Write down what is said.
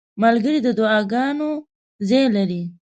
ملګری د دعاګانو ځای لري.